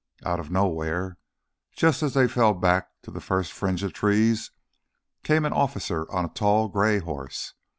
Out of nowhere, just as they fell back to the first fringe of trees, came an officer on a tall gray horse.